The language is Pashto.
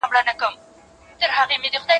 زه به سبا د ژبي تمرين وکړم،